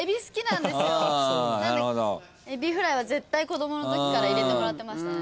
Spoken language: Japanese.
なんでエビフライは絶対子供のときから入れてもらってました。